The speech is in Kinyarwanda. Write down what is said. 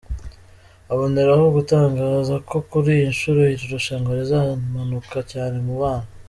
aboneraho gutangaza ko kuri iyi nshuro iri rushanwa rizamanuka cyane mu bana.